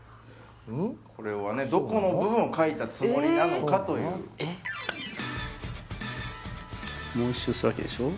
これはねどこの部分を描いたつもりなのかというもう１周するわけでしょ？